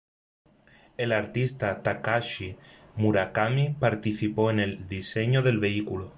El Artista Takashi Murakami participó en el diseño del vehículo.